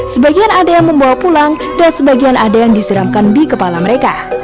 sebagian ada yang membawa pulang dan sebagian ada yang disiramkan di kepala mereka